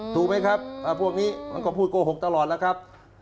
ถูกไหมครับพวกนี้มันก็พูดโกหกตลอดแล้วครับ